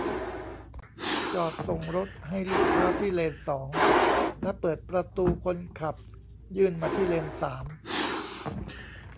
จอดส่งรถให้ลูกค้าที่เลนสอง และเปิดประตูคนขับยื่นมาที่เลนสาม !